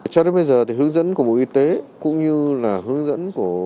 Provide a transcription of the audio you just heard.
cho đến bây giờ thì hướng dẫn của bộ y tế cũng như là hướng dẫn của